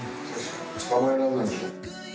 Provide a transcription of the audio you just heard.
捕まえられないでしょ。